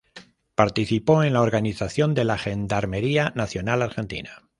Participó en la organización de la Gendarmería Nacional Argentina.